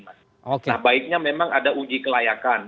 nah baiknya memang ada uji kelayakan